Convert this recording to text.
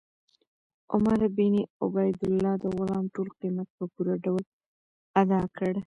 عمر بن عبیدالله د غلام ټول قیمت په پوره ډول ادا کړ.